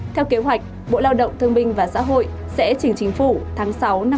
theo kế hoạch bộ lao động thương minh và xã hội sẽ chỉnh chính phủ tháng sáu năm hai nghìn hai mươi